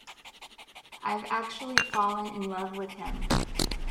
I've actually fallen in love with him.